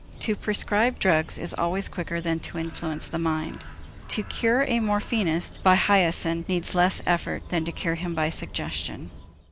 To prescribe drugs is always quicker than to influence the mind; to cure a morphinist by hyoscine needs less effort than to cure him by suggestion.